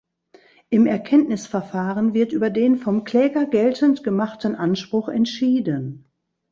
Im Erkenntnisverfahren wird über den vom Kläger geltend gemachten Anspruch entschieden.